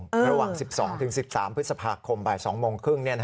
ระหว่าง๑๒๑๓พฤษภาคมบ่าย๒โมงครึ่ง